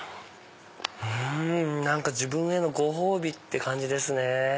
うん何か自分へのご褒美って感じですね。